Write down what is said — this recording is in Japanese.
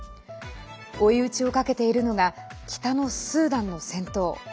追い打ちをかけているのが北のスーダンの戦闘。